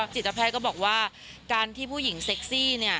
จิตแพทย์ก็บอกว่าการที่ผู้หญิงเซ็กซี่